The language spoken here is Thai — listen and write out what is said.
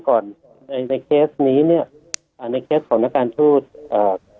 ก่อนในในเคสนี้เนี้ยอ่าในเคสของนักการทูตอ่า